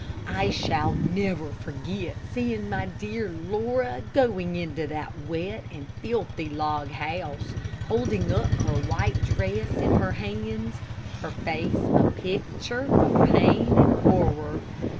I shall never forget seeing my dear Miss Laura going into that wet and filthy log house, holding up her white dress in her hands, her face a picture of pain and horror.